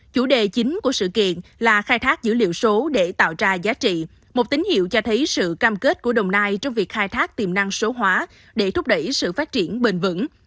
chủ đề chính của sự kiện là khai thác dữ liệu số để tạo ra giá trị một tín hiệu cho thấy sự cam kết của đồng nai trong việc khai thác tiềm năng số hóa để thúc đẩy sự phát triển bền vững